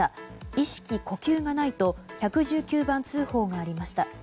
意識・呼吸がないと１１９番通報がありました。